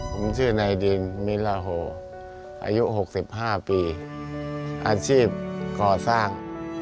ผมชื่อนายดินมิลาโหอายุ๖๕ปีอาชีพก่อสร้าง